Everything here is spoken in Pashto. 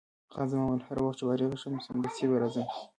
خان زمان وویل: هر وخت چې فارغه شوم، سمدستي به راځم.